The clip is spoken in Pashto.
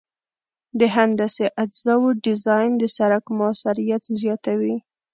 د هندسي اجزاوو ډیزاین د سرک موثریت زیاتوي